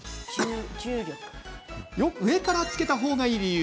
上からつけた方がいい理由